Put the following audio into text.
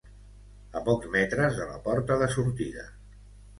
A pocs metres de la porta de sortida.